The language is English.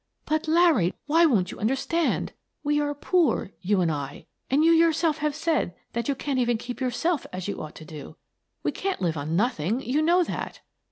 "But, Larry, why won't you understand? We are poor — you and I — and you yourself have said that you can't even keep yourself as you ought to do. We can't live on nothing; you know that."